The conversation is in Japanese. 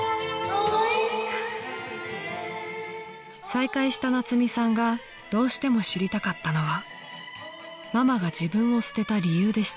［再会した夏海さんがどうしても知りたかったのはママが自分を捨てた理由でした］